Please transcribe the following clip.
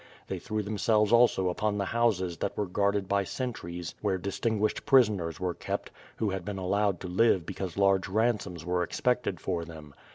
They threw themselves also upon the houses that were guarded by sentries where distinguished prisoners were kept, who had been allowed to live because large ransoms were expected for them.